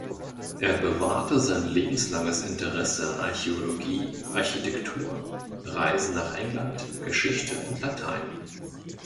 Er bewahrte sein lebenslanges Interesse an Archäologie, Architektur, Reisen nach England, Geschichte und Latein.